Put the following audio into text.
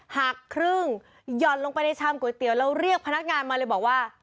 หักครึ่งหย่อนลงไปในชามก๋วยเตี๋ยวแล้วเรียกพนักงานมาเลยบอกว่า